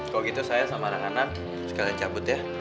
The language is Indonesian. kalau gitu saya sama anak anak sekalian cabut ya